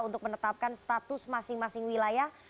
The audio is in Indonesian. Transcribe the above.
untuk menetapkan status masing masing wilayah